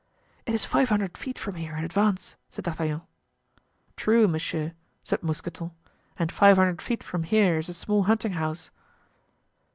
"It is five hundred feet from here, in advance," said D'Artagnan. "True, monsieur," said Mousqueton; "and five hundred feet from here is a small hunting house."